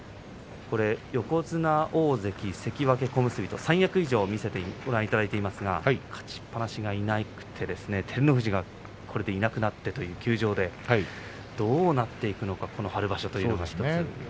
横綱、大関、関脇、小結と三役以上をご覧いただいていますが勝ちっぱなしがいなくて照ノ富士は、これでいなくなって休場で、どうなっていくのかこの春場所という。